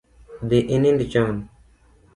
Dhi inind chon